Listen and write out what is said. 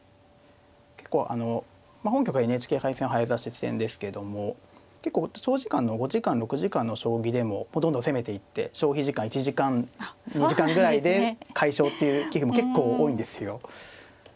結構あの本局はＮＨＫ杯戦は早指し戦ですけども結構長時間の５時間６時間の将棋でもどんどん攻めていって消費時間１時間２時間ぐらいで快勝っていう棋譜も結構多いんですよ。